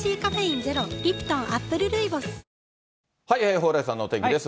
蓬莱さんのお天気です。